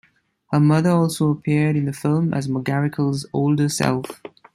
Her mother also appeared in the film as McGarricle's older self.